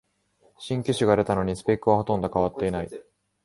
新機種が出たのにスペックはほとんど変わってない